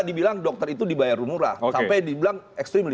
dibilang dokter itu dibayar murah sampai dibayar itu berarti